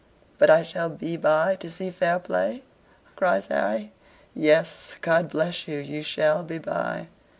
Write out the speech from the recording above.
"But I shall be by to see fair play?" cries Harry. "Yes, God bless you you shall be by."